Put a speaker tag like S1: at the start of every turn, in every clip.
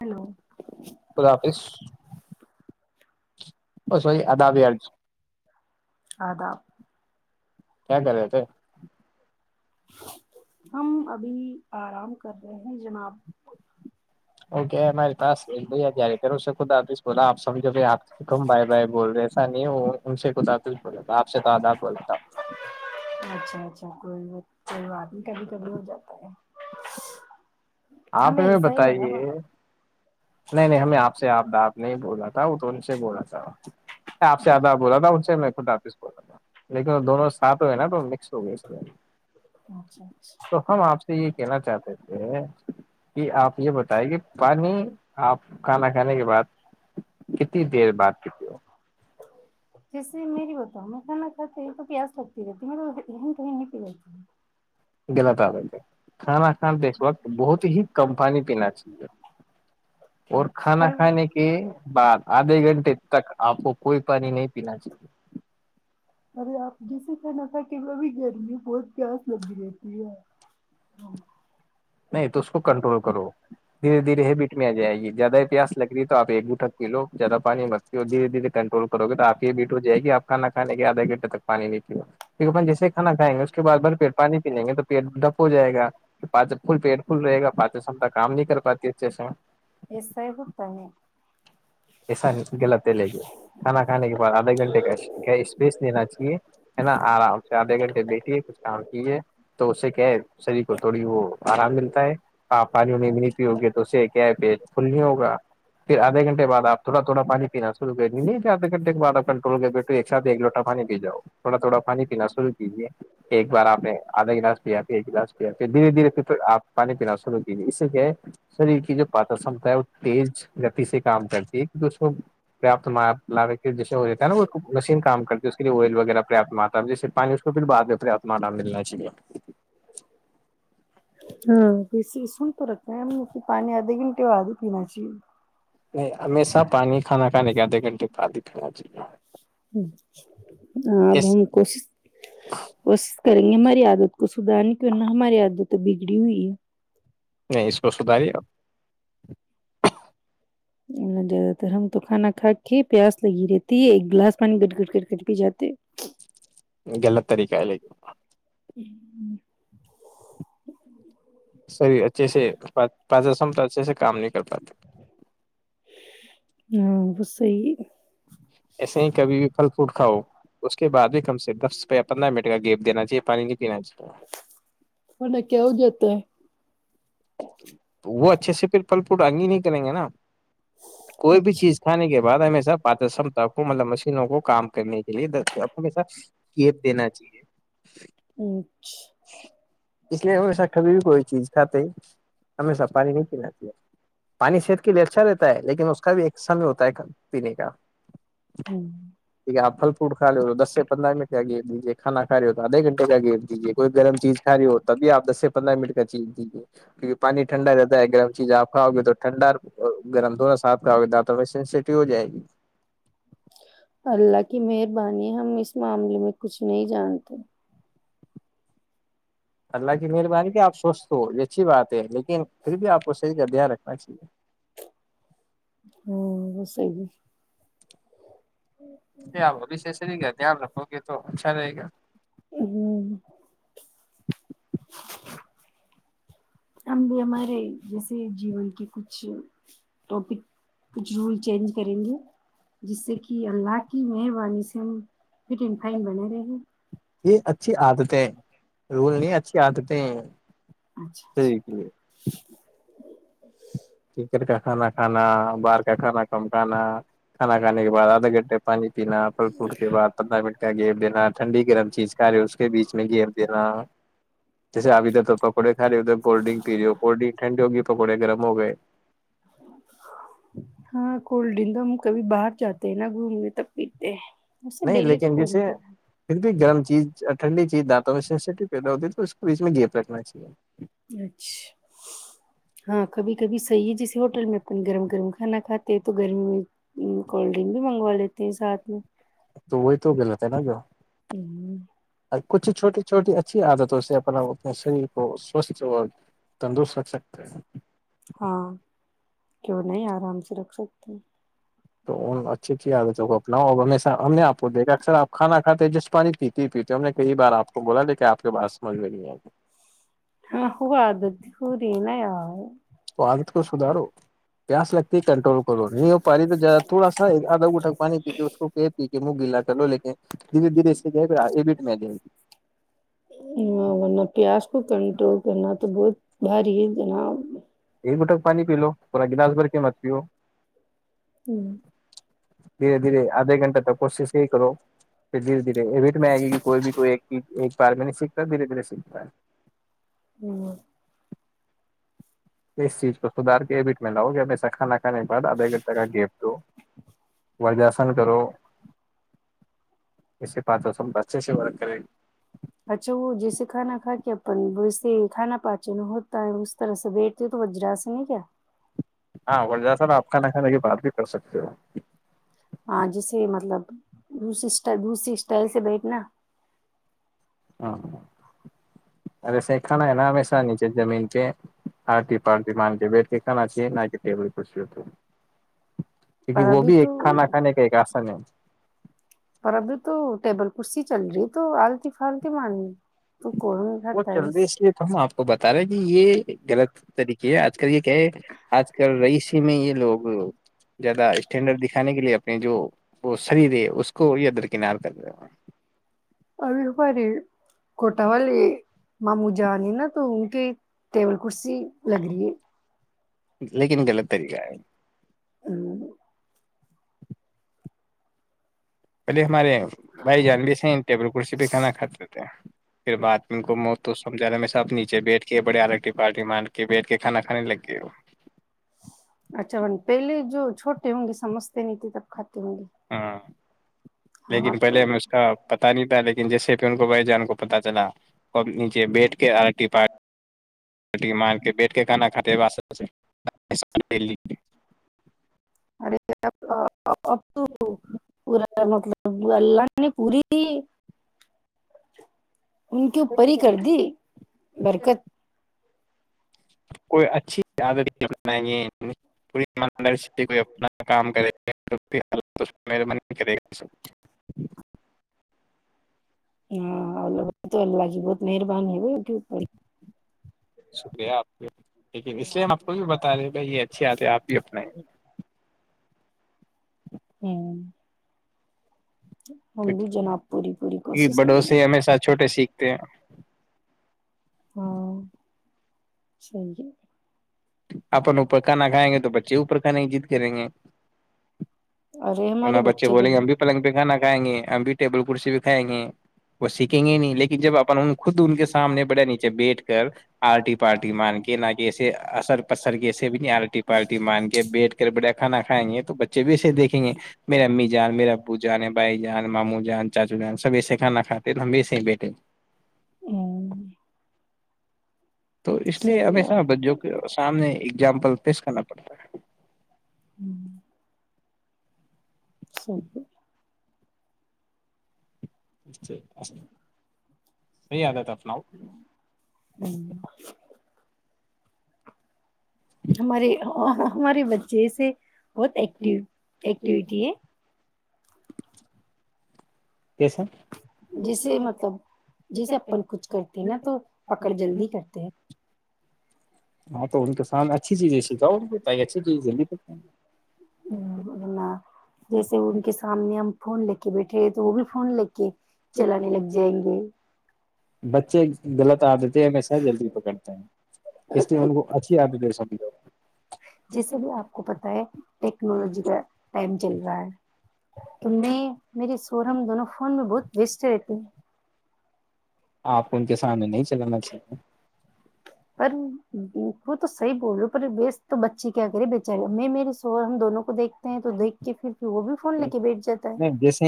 S1: Hello
S2: خدا حافظ بس وہی آدااب ار
S1: آداب [unintelligible]
S2: کیا چل رہے تھ
S1: ج [unintelligible] ہم ابھی آرام کر رہے ہیں جناب
S2: اوک ہمارے پاس ب جی کر اسے خود آپس بولا آپ سمھو ب آپ سے کم بھائی بائی بول رہے ایسا نہیں ان سے بولتا آپ سے تو آداب بولتا
S1: اچھا اچھا کوئی کوئی بات نہیں کہی کب ہو جاتا ہے
S2: آپ
S1: ہمیں
S2: ا
S1: ایسا ہی لگا
S2: بتائیے
S1: ب
S2: نہیں نہیں ہمیں آپ سے آپ دا آپ نہیں بولا تھا دون سے بولا تھا آپ سے آداب بولا تھا ان سے میں خود واپس بول رہ تھا تھا لیکن وہ دونوں ساتھ ہوئے نا تو مکس ہو گئے تھ
S1: اچھا اچھا
S2: تو ہم آپ سے یہ کہنا چاہتے تھے کہ آپ یہ بتائے کہ پانی کھانا کھانے کے بعد کتنی دیر بعد تتی ہو
S1: جیسے میری بتاؤ میں کھانا کھاتی ہوں تو پیاس لگتی رہتی م کہ نہیں پی رہتی
S2: غلط عادت ہے کھانا کھان تو وقت بہت ہی کم پانی پینا چاہیے
S1: ہوں۔
S2: اور کھانا
S1: پر
S2: کھانے کے بار آدھے گھنٹے تک آپ کو کوئی پانی نہیں پینا چاہیے
S1: ا آپ جیسے کہنا تھا کہ وہ اب بھی گرمی بہت گیاس لگی رہتی ہے
S2: نہیں تو اس کو کنٹرول کرو دھیرے دھیرے ہی بیٹ میں آ جائے گی زیادہ ہی پیاس لگ رہی تو آپ ایک دوٹک پی لو زیادہ پانی مستتی ہو دھیرے دھیرے کنٹرول کرو گے تو آپ یہ بیٹ ہو جائے گی آپ کھا کھے آدھے گھٹے تک پانی نہیں پیا جیسے کانا کھائیں گے اس کے بع بھر پیٹ پانی پی لیں گے تو پیٹ ڈپ ہو جائے گا پ فل پیٹ فل رہے گا پچ سم کام نہیں کر پاتی اچھے سے
S1: ایسا ہی ہوتا ہے
S2: ایسا غلط ہے لے کے کھانا کھانے کے بعد آدھے گھنٹے کا گیس بیس لینا چاہیے ہے نا آرام سے آدھے گھنٹے بیٹھیے کچھ کام کیجیے تو اس سے کہ شریر کو تھوڑی وہ آرام ملتا ہے آپ پانی نہیں بھی نہیں پیو گے تو اسے کیا کل نہیں ہوگا پھر آدھے گھنٹے بع آپ تھوڑا تھوڑا پانی پینا شروع کریں گدھے گھنٹے کے بع آپ کنٹرول کر بی تو ایک ساتھ ایک لوٹا پانی پی جاؤ تھوڑا تھوڑا پانی پینا شروع کیجیے ایک بار آپ نے آدا گلاس پیا پ ایک گلاس پیا پ دھیرے دھیرے آپ پانی پینا شروع کیجیے اس سے کیا ہے شریر کی جو پات شمتا ہے وہ تیز گتی سے کام کرتی ہے کو پرپت م لے کے جسے ہو جاتا ہے نا وہ مشین کام کرتی اس کے لیے آئل وغیرہ پریاپت آتا جیسے پانی اس کو پھر بع میں پریاپت م آتا ملنا چاہیے
S1: ہ تو اس سن تو رکھا ہیں پانی آدھے گھنٹے ہو آدے پین چاہی
S2: نہیں ہمیشہ پانی کھانا ے کے آدے گھنٹے پعادکھنا چاہیے
S1: ہ اب
S2: اس
S1: ہم کوشش کوشش کریں گے ہماری عادت کو سدارنے کی نہ ہماری عادت جڑی ہوئی
S2: نہیں اسپشتااری ہو
S1: زیادہ تر ہم تو کھانا کھا پیاس لگی رہتی ہے ایک گلاس پانی گٹ گٹ کر کر پ جات
S2: گلت طریقہ ہے ل
S1: ہ
S2: پ جسم تو اچھے سے کام نہیں کر پاتے
S1: ہاں وہ صحی [unintelligible]
S2: ایسے ہی کبھی بھی پھل پوٹ [unintelligible] کاؤ [unintelligible] اس کے بعد بھی کم سے دس پندرہ منٹ کا گیپ دینا چاہیے پانی دینا چاہیے [unintelligible]
S1: م کہ ہو جتا ہے
S2: وہ اچھے سے پھر پل پھوٹ انگین نہیں کریں گے نا کوئی بھی چیز کھانے کے بعد ہمیشہ پچمتا کو مطلب مشینوں کو کام کرنے کے لیے ہشہ کیپ دینا چاہیے
S1: اچھا اچھا
S2: اس لیے ہمیشہ کبھی بھی کوئی چیز کھاتے [unintelligible] ہمیشہ پانی نہیں پینا چاہیے پانی صحت کے لیے اچھا رہتا ہے لیکن اس کا بھی ایک سمے ہوتا ہے پینے کا [unintelligible] ٹھیک آپ پل فروٹ کھا رہے ہو تو دس سے پندرہ منٹ کا گر د دیجیے کانا کھا رہی ہو تو آدھے گھنٹے کا گر دیجیے کوئی گرم چیز کھا رہی ہو تب آپ دس سے پندرہ منٹ کا چیز دیجیے [unintelligible] کیونکہ پانی ٹھنڈا رہتا ہے گرم چیز آپ کھاؤ گے تو ٹھنڈا گرم دوا سات کھاؤ گے تو سینسیٹیو ہو جائے گی
S1: اللہ کی مہربانی ہم اس معاملے میں کچھ نہیں جانتے
S2: اللہ کی مہربانی کہ آپ سوستھ ہو یہ اچھی بات ہے لیکن پھر بھی آپ کو صحی کا دھیان رکھنا چاہیے
S1: ہوسے بھی [unintelligible]
S2: آپ ابشیہ سر کا دھیان رکھو گے تو اچھا رہے گا
S1: ہمم
S2: [unintelligible]
S1: ہم بھی ہمارے جیسے جیون کے کچھ ٹاپک کچھ رول چینج کریں گے جس سے کہ اللہ کی مہربانی سے ہم فٹ اینڈ فائن بنے رہے
S2: یہ اچھی عادتیں ہیں رول نہیں اچھی عادتیں [unintelligible]
S1: اچھا اچھا [unintelligible]
S2: کن کا کھانا کھانا باہر کا کھانا کم کھانا کھانا کھان کے بع آدھا گھنٹے پانی پینا پھل پوٹ کے بعد پندرہ منٹ کا گیپ دینا ٹھنڈی گرم چیز کھ رہے اس کے بیچ میں گیپ دینا جیسے ابھی ت تو پکوڑے [unintelligible] سر اد کوڈن پی کوڈ ڈ ھنڈ [unintelligible] پکوڑے گرم ہو گئے [unintelligible]
S1: ہاں کول ڈن تو ہم کبھی باہر جاتے ہیں نا گھومنے تب پیتے ہیں [unintelligible]
S2: نہیں
S1: ڈیلی تو
S2: لیکن
S1: کون
S2: جیسے
S1: پیتا
S2: پھر بھی گرم چیز ٹھنڈی چیز دانتوں میں سینسیٹی پیدا ہوتی تھی تو اس کو بیچ میں گیپ رکھنا چاہیے [unintelligible]
S1: اچھا ہاں کبھی کبھی صحیح ہے جیسے ہوٹل میں اپ گرم گرم کھانا کھاتے ہیں تو گرمی میں کولڈ ڈرنک بھی منگوا لیتے ہیں ساتھ میں
S2: تو وہی تو غلط ہے نا جو
S1: ہوں
S2: کچھ چھوٹی چھوٹی اچھی عادتوں سے اپنا اپنے شریر کو سوچ [unintelligible] تو تندرست رکھ سکتے ہیں [unintelligible]
S1: ہاں کیوں نہیں آرام سے رکھ سکتے ہٹ [unintelligible]
S2: تو ان اچھی اچھی آگتوں کو اپناؤ اب ہم ہم نے آپ کو دیکھا ار آپ کانا کھے جس [unintelligible] پانی پی ی پیٹیوں نے کئی بار آ کو بولا لیک آپ کو کب آسمان میں نہیں آ گ
S1: ہاں خب آادتی ہووری ن آ
S2: تو آگ تو کو سدارو پیاس لگتی ہے کنٹرول کرو نہیں ہو پانیی تو تھوڑا سا آدھا گھٹا پانی پی کے اس کو پ پی کے منہ گیلا کر لو لیکن دھیرے دھیرے اس سےٹ میں گی
S1: ہ ورنہ پیاز کو کنٹرول کرنا تو بہت بھاری جناب
S2: ایک بٹک پانی پی لو پورا گلاس بھر کے مت پیو
S1: ہمم
S2: دھیرے دھیرے آدھے گھنٹہ تک کوشش یہی کروھر دھیرے دھیرے ای بھیٹ میں آئے گی کہ کوئی بھی کوئی ایک ایک بار میں نہیں سیکھتا دھیرے دھیرے سیکھتا ہے
S1: ہوں
S2: اس چیز کو سدھار کےبٹ میں لاؤ گیا وسے سا بعدھے گھنٹہ کا گیف تو ورجاسن کرو اسے پاتوں سم اچھے سے ورق کریں
S1: اچھا وہ جیسے کھانا کھا کے اپن ویسے کھانا پاچن ہوتا ہے اس طرح سے بیٹھتے ہو تو وجراس نہیں کیا
S2: ہاں جا ساب آپ کا نان لی بات بھی کر سکتے اا
S1: ہاں جیسے مطلب رٹ رسری اسٹائل سے بیٹھنا
S2: ہ ارے سا کھانا ہے نا ہم سانی چ زمین پہ آرتی پارتی مان کے بیٹھ کے کھان چ ن کہ ٹی بول کش ہو کی
S1: پر
S2: وہوب
S1: ابھی
S2: ایک
S1: تو
S2: کھانا کانے کا ایک آسا نم
S1: پر ابھی تو ٹیبل کی چل رہی تو آلتی فالتی مارنی تو کون
S2: وہ
S1: کھاتا
S2: چل
S1: ہے
S2: رہی اس لیے تو ہم آپ کو بتا رہے ہیں کہ یہ لت طریقے ہے آج کل یہ کیا ہے آج کل رئیسی میں یہ لوگ زیادہ اسٹینڈرڈ دکھانے کے لیے کہ جو وہ سری دے اس کو کووریادرک ن کر
S1: ابھی ہمارے کوٹا والے ماموں جانی نا تو ٹیبل کرسی لگ رہی ہے
S2: لیکن غلط طریقہ ہے
S1: ہممم
S2: پہلے ہمارے بھائی جان بھی سے ٹیبل کرسی پہ کھانا کھاتے تھے پھر بعد میں ان کو موت تو سمجھانے میں سب نیچے بیٹھ کے بڑے ہالٹی پارٹی مار کے بیٹھ کےھانا کھانے لگ گ ہو
S1: اچھانہ پہلے جو چھوٹے ہوں گے سمجھتے نہیں تھے تب ک
S2: ہاں
S1: ہاں
S2: لیکن
S1: تو
S2: پہلے ہمیں اس کا پتاہ نہیں تھا لیکن دن جیسے پہ ان کو بھائی جان کو پتا چلا ک نیچے بیٹھ کے آرٹی پار چھٹی مان کے بیٹھ کے کھانا کھاتے واسطے
S1: ارے اب تو پورا مطلب وہ اللہ نے پوری ان کے اوپر ہی کر دی برکت
S2: کوئی اچھی عادتے پورر کو اپنا کام کرے گے گا
S1: ہاں اللہ تو اللہ کی بہت مہربانی ہے ان کے اوپر
S2: شکریہ آپ لیکن اس لیے ہم آپ کو بھی بتا رہے بھائی یہ اچھی آدت ہے آپ بھی اپنے
S1: ہممم پوری پوری کوشش کریں
S2: بڑوسی
S1: گے
S2: ہمیشہ چھوٹے سی تے ہیں
S1: ہاں صحیح ہے
S2: اپن اوپر کھانا کھائیں گے تو بچے اوپر کھانے کی ضد کریں گے
S1: ارے
S2: ان
S1: ہمارے
S2: بچے
S1: تو
S2: بولیں گے ہم بھی پلنگ پہ کھانا کھائیں گے ہم بھی ٹیبل کرسی بھی کھائیں گی وہ سیکھیں گے نہیں لیکن جب اپ خود ان کے سامنے بڑے نیچے بیٹھ کر آرٹی پارٹی مان کے نہ کہ ایے اثر پسر کے کیسے بھی نہیں آرٹی پارٹی مان کے بیٹھ کر بڑیا کھا کھائیں گے تو بچے بھی ایسے دیکھیں گے میرے امی جان میرے ابو جان بھائی جان ماموں جان چاچو جان سب ایسے کھانا کھاتے ہیں تو ہم بھی ایسے ہی بیٹھے
S1: ہوں
S2: تو اس لیے
S1: صحیح
S2: ہمیشہ
S1: بات
S2: بچوں کے سامنے اگزامپل پیش کرنا پڑتا ہے
S1: ہممم صحیح ہے
S2: اچھا صحیح آدت اپناؤ
S1: ہے ہماری ہمارے بچے سے بہت ایکٹی ایکٹیویٹی ہے
S2: کیسا
S1: جیسے مطلب جیسے اپن کچھ کرتے ہیں نا تو پکڑ جلدی کرتے ہیں
S2: ہاں تو تو جلدی پکیں
S1: نا جیسے ان کے سامنے ہم فون لے کے بیٹھے رہے تو وہ بھی فون لے کے چلانے لگ جائیں گے
S2: بچے غلط آادتے ہمیشہ جلدی پکڑتے ہیں اس لیے ان کو اچھی عادتیں سمجھو
S1: جیسے بھی آپ کو پتا ہے ٹیکنالوجی کا ٹائم چل رہا ہے تو میں میرے سور ہم دونوں فون میں بہت ویسٹ رہتے ہیں
S2: آپ کو ان کے سامنے نہیں چلانا چاہیے
S1: پر وہ تو صحیح بول رہے پر بی تو بچے کیا کرے بیچا گ میرے سوہر ہم دونوں کو دیکتے ہیں تو دیکھ کے پھر وہ بھی فون لے کے بیٹھ جاتا ہے
S2: نہیں جیسے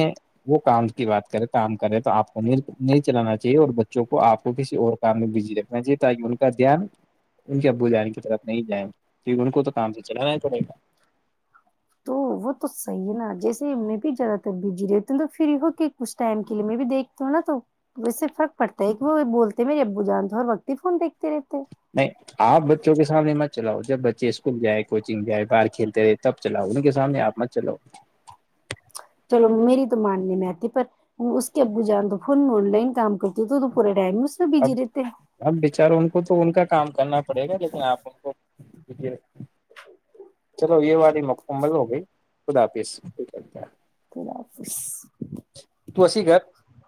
S2: وہ کام کی بات کرے کام کرے تو آپ کو نہیں چلانا چاہیے اور بچوں کو تو آپ کو کسی اور کام میں بزی رکھنا چاہیے تاکہ ان کا دھیان ان کے ابو جان کی طرف نہیں جائے کیکہ ان کو تو کام سے چلانا ہی پڑے گا
S1: تو وہ تو صحیح نا جیسے ہم نے بھی زیادہ تر بھیجی جی تو فری ہو کچھ ٹائم کے لیے میں بھی دیکھتی ہوں نا تو ویسے فرق پڑتا ہے کہ وہ بولتے مے ابو جانتے ھر بتی فون دیک
S2: نہیں آپ بچوں کے سامنے مت چلاؤ جب بچے اسکول جائے کوچنگ جائے باہر کھیلتے رہے تب چلاؤ ان کے سامنے آپ مت چلاؤ
S1: چلو میری تو ماننے میں آتی پر اس کے ابو جان تو فون میں آن لائن کام کرتی تو تو پورے ٹائم میں اس میں
S2: اب
S1: بزی رہتے ہیں
S2: اب بچاروں ان کو تو ان کا کام کرنا پڑے گا لیکن آپ ان کو چلو یہ والی مکمل ہو گئی خدا پظ ہ
S1: اللہ حافظ
S2: تو
S1: سسی
S2: اسی گھر
S1: کر